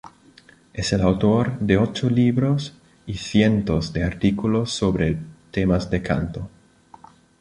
Es el autor de ocho libros y cientos de artículos sobre temas de canto.